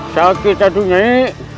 sakit satu nyai